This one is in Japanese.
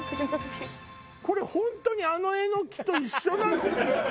これ本当にあのエノキと一緒なの？